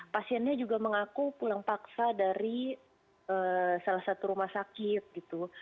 pasiennya juga mengaku pulang paksa dari salah satu rumah sakit gitu